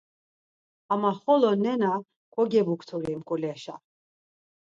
Ama xolo nena kogebukturi, mǩuleşa…